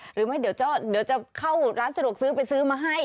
เดี๋ยวจะเข้าร้านสะดวกซื้อไปซื้อมาให้